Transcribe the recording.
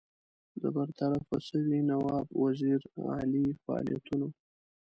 د برطرفه سوي نواب وزیر علي فعالیتونو.